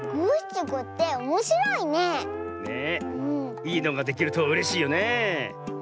いいのができるとうれしいよねえ。